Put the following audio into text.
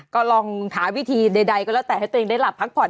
ก็ลองหาวิธีใดก็แล้วแต่ให้ตัวเองได้หลับพักผ่อน